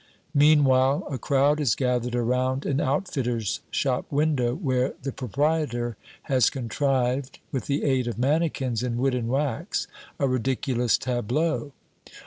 Meanwhile a crowd is gathered around an outfitter's shop window where the proprietor has contrived, with the aid of mannikins in wood and wax, a ridiculous tableau.